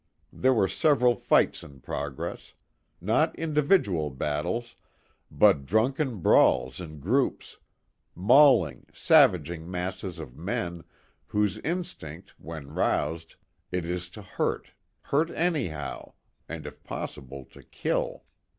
There were several fights in progress. Not individual battles, but drunken brawls in groups; mauling, savaging masses of men whose instinct, when roused, it is to hurt, hurt anyhow, and if possible to kill.